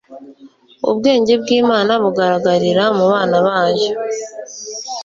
ubwenge bw imana bugaragarira mubana bayo